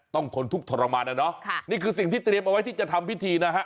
ทนทุกข์ทรมานนะเนาะนี่คือสิ่งที่เตรียมเอาไว้ที่จะทำพิธีนะฮะ